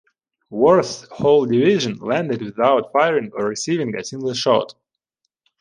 Worth's whole division landed without firing or receiving a single shot.